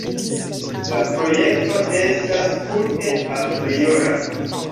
La projekto estas tute apriora.